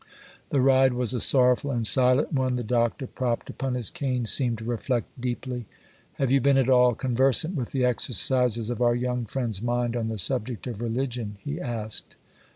The ride was a sorrowful and silent one. The Doctor, propped upon his cane, seemed to reflect deeply. 'Have you been at all conversant with the exercises of our young friend's mind on the subject of religion?' he asked.